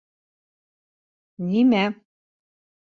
— Нимә?